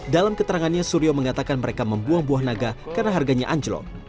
dalam keterangannya suryo mengatakan mereka membuang buah naga karena harganya anjlok